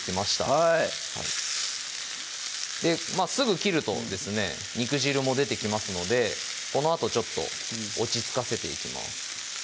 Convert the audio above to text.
はいすぐ切るとですね肉汁も出てきますのでこのあとちょっと落ち着かせていきます